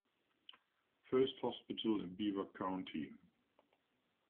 First hospital in Beaver County.